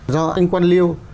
do anh quan liêu